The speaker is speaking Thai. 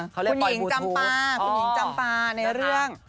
เขาเรียกปอยมูทูตอ๋อคุณหญิงจำปลาในเรื่องค่ะ